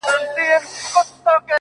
جلوه مخي په گودر دي اموخته کړم _